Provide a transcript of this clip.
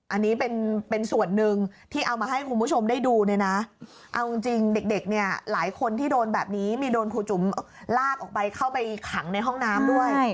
อันนี้เป็นส่วนหนึ่งที่เอามาให้คุณผู้ชมได้ดูเนี่ยนะเอาจริงเด็กเนี่ยหลายคนที่โดนแบบนี้มีโดนครูจุ๋มลากออกไปเข้าไปขังในห้องน้ำด้วย